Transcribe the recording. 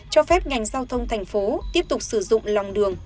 cho phép ngành giao thông thành phố tiếp tục sử dụng lòng đường